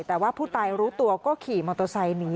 แต่ว่าผู้ตายรู้ตัวก็ขี่มอเตอร์ไซค์หนี